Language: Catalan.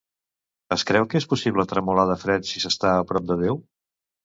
Es creu que és possible tremolar de fred si s'està a prop de Déu?